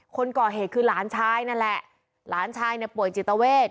คนก่อเหตุคือหลานชายนั่นแหละหลานชายเนี่ยป่วยจิตเวท